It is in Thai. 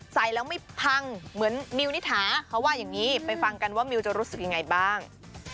ใส่แล้วไม่พังเหมือนมิวนิถาเขาว่าอย่างนี้ไปฟังกันว่ามิวจะรู้สึกยังไงบ้าง